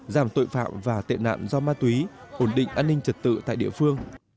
giảm tội phạm và tệ nạn do ma túy ổn định an ninh trật tự tại địa phương